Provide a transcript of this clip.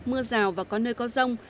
mưa rào và có nơi có rông